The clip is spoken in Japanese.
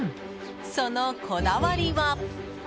そのこだわりは。